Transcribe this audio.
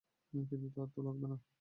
কিন্তু তোর তা লাগবে না।